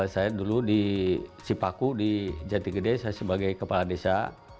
saya dulu di sipaku di jatigede saya sebagai kepala desa